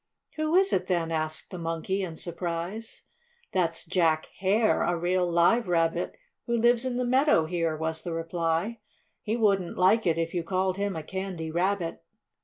"Who is it, then?" asked the Monkey, in surprise. "That's Jack Hare, a real, live rabbit who lives in the meadow here," was the reply. "He wouldn't like it if you called him a Candy Rabbit."